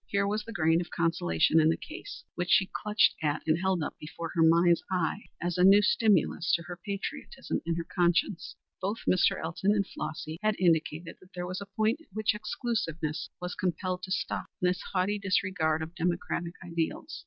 Here was the grain of consolation in the case, which she clutched at and held up before her mind's eye as a new stimulus to her patriotism and her conscience. Both Mr. Elton and Flossy had indicated that there was a point at which exclusiveness was compelled to stop in its haughty disregard of democratic ideals.